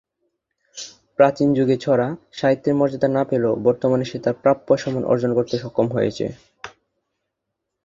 প্রাচীন যুগে ‘ছড়া’ সাহিত্যের মর্যাদা না পেলেও বর্তমানে সে তার প্রাপ্য সম্মান অর্জন করতে সক্ষম হয়েছে।